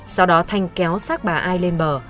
sau đó thanh kéo sát bà ai lên bờ